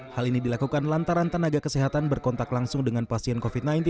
hal ini dilakukan lantaran tenaga kesehatan berkontak langsung dengan pasien covid sembilan belas